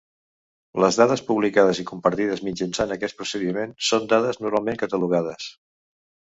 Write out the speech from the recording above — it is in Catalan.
Les dades publicades i compartides mitjançant aquest procediment són dades normalment catalogades.